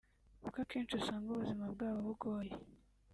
kuko akenshi usanga ubuzima bwabo bugoye